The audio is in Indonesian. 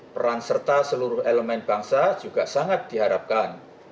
peran serta seluruh elemen bangsa juga sangat diharapkan